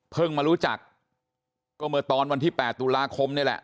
มารู้จักก็เมื่อตอนวันที่๘ตุลาคมนี่แหละ